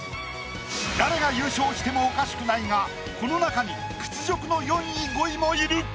誰が優勝してもおかしくないがこの中に屈辱の４位５位もいる。